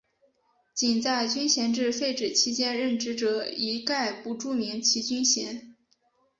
仅在军衔制废止期间任职者一概不注明其军衔。